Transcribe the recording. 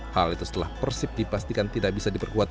hal itu setelah persib dipastikan tidak bisa diperkuat